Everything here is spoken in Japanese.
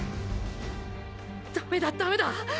ダメだダメだ！